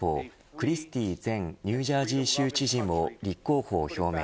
クリスティー前ニュージャージー州知事も立候補を表明。